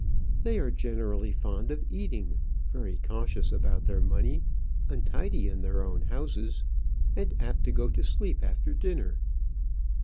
They are generally fond of eating, very cautious about their money, untidy in their own houses, and apt to go to sleep after dinner."